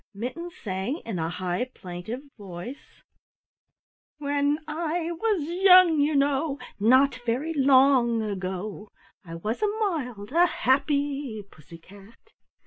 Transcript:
Mittens sang in a high plaintive voice: "When I was young, you know, Not very long ago, I was a mild, a happy Pussy cat!